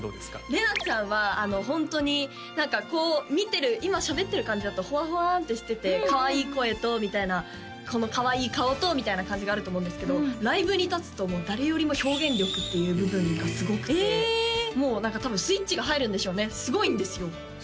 レナちゃんはホントに何かこう見てる今しゃべってる感じだとほわほわんとしててかわいい声とみたいなこのかわいい顔とみたいな感じがあると思うんですけどライブに立つと誰よりも表現力っていう部分がすごくてもう多分スイッチが入るんでしょうねすごいんですよ